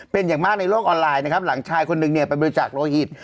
เป็นอย่างมากในโลกออนไลน์นะครับหลังชายคนหนึ่งเนี่ยไปบริจาคโลหิต